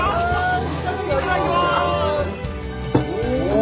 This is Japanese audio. お！